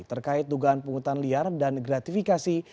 terkait dugaan penghutan liar dan gratifikasi